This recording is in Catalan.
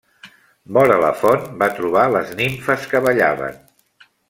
Vora la font va trobar les nimfes que ballaven.